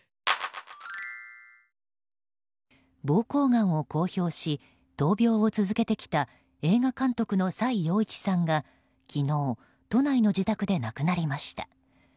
膀胱がんを公表し闘病を続けてきた映画監督の崔洋一さんが昨日、都内の自宅で亡くなりました。